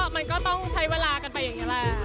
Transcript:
มันก็ต้องใช้เวลากันไปอย่างนี้แหละ